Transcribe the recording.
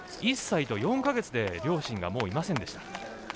１歳と４か月で両親がもういませんでした。